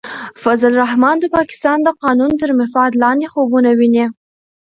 فضل الرحمن د پاکستان د قانون تر مفاد لاندې خوبونه ویني.